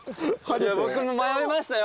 僕も迷いましたよ